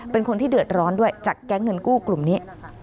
เป็นคนที่เดือดร้อนด้วยจากแก๊งเงินกู้กลุ่มนี้